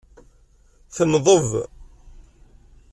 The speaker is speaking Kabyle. Tenḍeb.